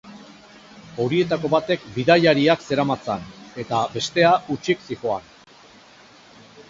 Horietako batek bidaiariak zeramatzan, eta bestea hutsik zihoan.